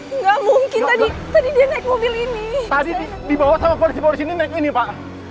enggak mungkin tadi tadi dia naik mobil ini tadi dibawa sama polisi polisi ini naik ini pak